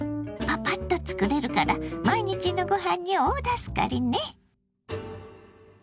パパッと作れるから毎日のごはんに大助かりね！